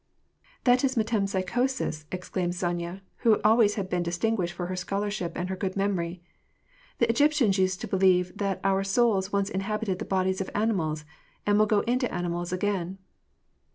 " That is metempsychosis," exclaimed Sonya, who always had been distinguished for her scholarship and her good memory. " The Egyptians used to believe that our souls once inhabited the bodies of animals, and will go into animals again."